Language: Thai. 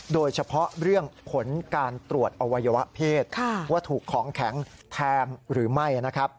โดยเฉพาะเรื่องผลการตรวจอวัยวะเพศว่าถูกของแข็งแทงหรือไม่